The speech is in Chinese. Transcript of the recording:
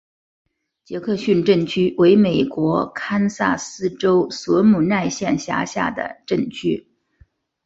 杰克逊镇区为美国堪萨斯州索姆奈县辖下的镇区。